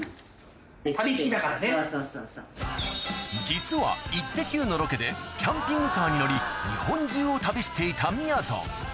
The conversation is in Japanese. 実は『イッテＱ！』のロケでキャンピングカーに乗り日本中を旅していたみやぞん